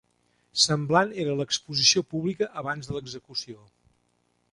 Semblant era l'exposició pública abans de l'execució.